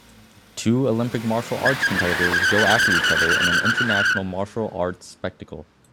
Two Olympic martial arts competitors go after each other in an international martial arts spectacle